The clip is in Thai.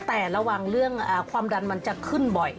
แต่ระวังเรื่องความดันมันจะขึ้นบ่อย